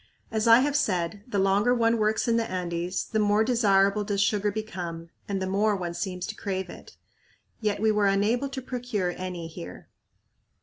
As I have said, the longer one works in the Andes the more desirable does sugar become and the more one seems to crave it. Yet we were unable to procure any here.